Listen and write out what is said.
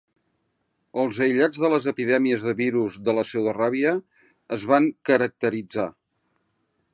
Els aïllats de les epidèmies de virus de la pseudoràbia es van caracteritzar.